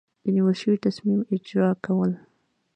د نیول شوي تصمیم اجرا کول.